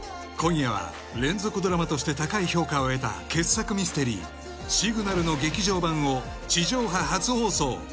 今夜は連続ドラマとして高い評価を得た傑作ミステリー「シグナル」の劇場版を地上波初放送。